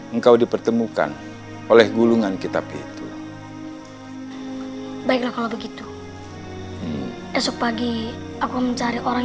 engkau dipertemukan oleh gulungan kitab itu baiklah kalau begitu esok pagi aku mencari orang